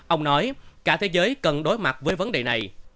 ông nói cả thế giới cần đối mặt với vấn đề này